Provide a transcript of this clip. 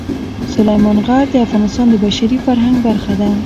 سلیمان غر د افغانستان د بشري فرهنګ برخه ده.